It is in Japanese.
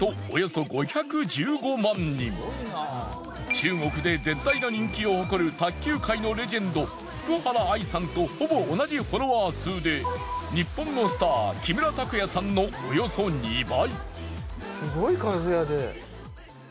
中国で絶大な人気を誇る卓球界のレジェンド福原愛さんとほぼ同じフォロワー数で日本のスター木村拓哉さんのおよそ２倍！